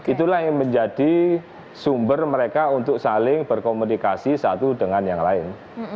itulah yang menjadi sumber mereka untuk saling berkomunikasi satu dengan yang lain